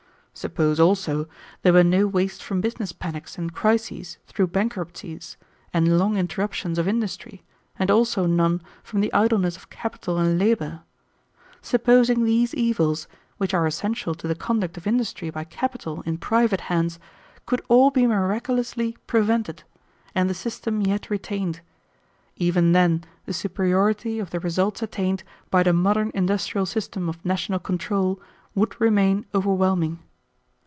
Suppose, also, there were no waste from business panics and crises through bankruptcy and long interruptions of industry, and also none from the idleness of capital and labor. Supposing these evils, which are essential to the conduct of industry by capital in private hands, could all be miraculously prevented, and the system yet retained; even then the superiority of the results attained by the modern industrial system of national control would remain overwhelming.